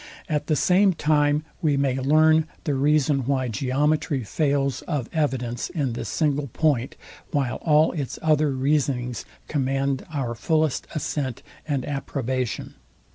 At the same time we may learn the reason, why geometry falls of evidence in this single point, while all its other reasonings command our fullest assent and approbation.